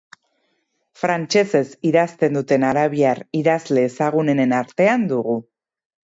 Frantsesez idazten duten arabiar idazle ezagunenen artean dugu.